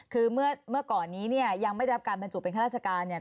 คือเมื่อก่อนนี้เนี่ยยังไม่ได้รับการบรรจุเป็นข้าราชการเนี่ย